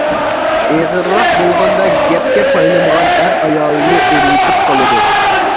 (ئېغىرراق بولغاندا گەپكە پايلىمىغان ئەر ئايالىنى ئۇرۇۋېتىپ قالىدۇ).